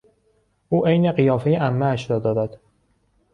او عین قیافهی عمهاش را دارد.